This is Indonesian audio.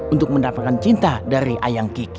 untuk mendapatkan cinta dari ayam kiki